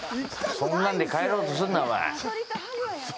そんなんで帰ろうとすんな、おまえ。